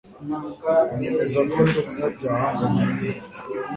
Anyemeza ko ndi umunyabyaha Ngo Ninze